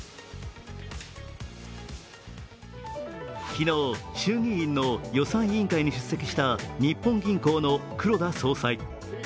昨日、衆議院の予算委員会に出席した日本銀行の黒田総裁。